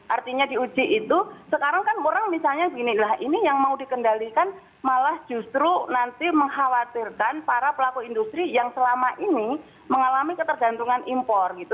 artinya diuji itu sekarang kan orang misalnya ginilah ini yang mau dikendalikan malah justru nanti mengkhawatirkan para pelaku industri yang selama ini mengalami ketergantungan impor gitu